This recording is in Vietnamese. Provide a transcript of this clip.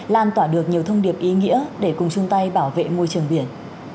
lan tỏa được nhiều thông điệp ý nghĩa để cùng chung tay bảo vệ môi trường biển